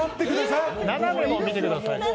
斜めも見てください。